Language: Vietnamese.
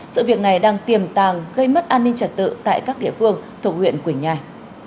sự việc này đang tiềm tàng gây mất an ninh trật tự tại các địa phương thuộc huyện quỳnh nhai